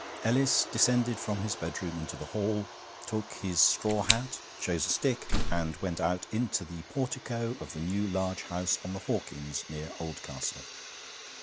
Ellis descended from his bedroom into the hall, took his straw hat, chose a stick, and went out into the portico of the new large house on the Hawkins, near Oldcastle.